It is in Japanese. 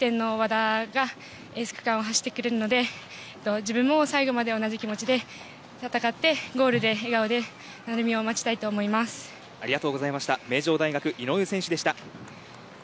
頼もしい後輩やキャプテンの和田がエース区間を走ってくれるので自分も最後まで同じ気持ちで戦ってゴールで笑顔でありがとうございました名城大学井上選手でした。